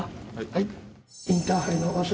はい。